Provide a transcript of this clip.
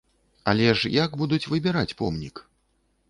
Але ж як будуць выбіраць помнік?